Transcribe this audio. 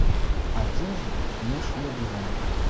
А адзежу мне шые дызайнер.